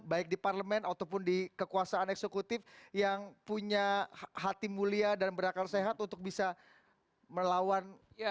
baik di parlemen ataupun di kekuasaan eksekutif yang punya hati mulia dan berakal sehat untuk bisa melawan